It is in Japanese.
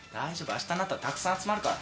あしたになったらたくさん集まるから。